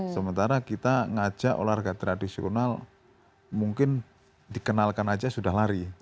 sementara kita ngajak olahraga tradisional mungkin dikenalkan aja sudah lari